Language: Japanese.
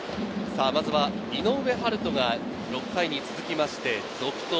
まずは井上温大が６回に続きまして続投。